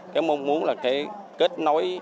một môn muốn là kết nối